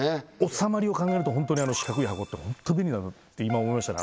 収まりを考えるとホントに四角い箱ってホント便利だなって今思いましたね